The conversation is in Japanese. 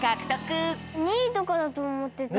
２いとかだとおもってた。